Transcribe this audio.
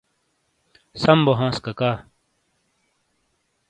سَم بوہانس کاکا۔